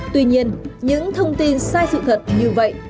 tuy nhiên những thông tin sai sự thật như vậy